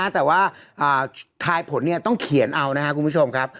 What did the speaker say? ทายผลเนี่ยต้องเขียนเอานะครับคุณผู้ชมครับ